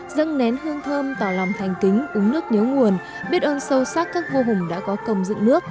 thơm thơm tỏ lòng thành kính uống nước nhớ nguồn biết ơn sâu sắc các vô hùng đã có cầm dựng nước